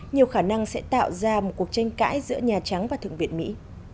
nhiều khả năng sẽ tạo ra một cuộc tranh cãi giữa nhà trắng và thượng viện mỹ